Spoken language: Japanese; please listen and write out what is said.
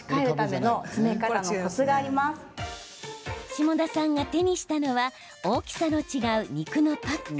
下田さんが手にしたのは大きさの違う肉のパック。